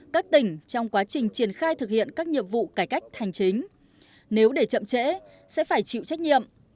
các tỉnh trong quá trình triển khai thực hiện các nhiệm vụ cải cách hành chính nếu để chậm trễ sẽ phải chịu trách nhiệm